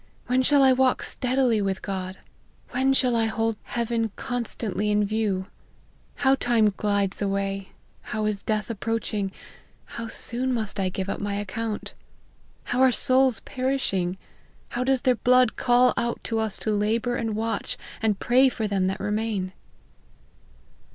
When shall I walk steadily with God ? When shall I hold heaven constantly in 48 LIFE OF HENRY MARTYN. view ? How time glides away, how is death ap preaching, how soon must I give up my account, how are souls perishing, how does their blood call out to us to labour and watch, and pray for them that remain